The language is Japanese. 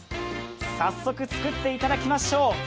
早速、作っていただきましょう。